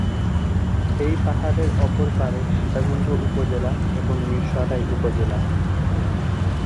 এই পাহাড়ের অপর পাড়ে সীতাকুণ্ড উপজেলা এবং মীরসরাই উপজেলা।